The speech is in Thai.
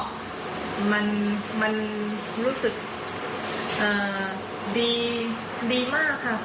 ความตั้งใจไปเที่ยวคือถ้าไปเที่ยวโดยไม่ได้ช่วยเขาคงจะเที่ยวไม่สนุกแน่นอน